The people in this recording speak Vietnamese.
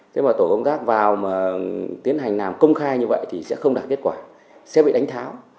thế mà tổ công tác vào mà tiến hành làm công khai như vậy thì sẽ không đạt kết quả sẽ bị đánh tháo